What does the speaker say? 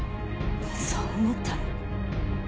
そう思ったら。